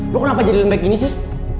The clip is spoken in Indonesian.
lo kenapa jadi lembek gini sih